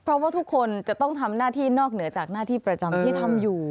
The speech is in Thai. เพราะว่าทุกคนจะต้องทำหน้าที่นอกเหนือจากหน้าที่ประจำที่ทำอยู่